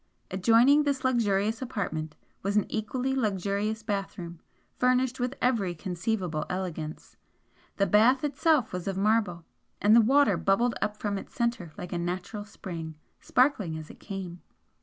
Adjoining this luxurious apartment was an equally luxurious bathroom, furnished with every conceivable elegance, the bath itself was of marble, and the water bubbled up from its centre like a natural spring, sparkling as it came.